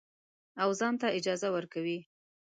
او ځان ته اجازه ورکوي.